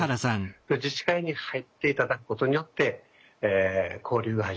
自治会に入って頂くことによって交流が始まる。